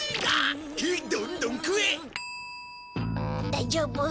大丈夫？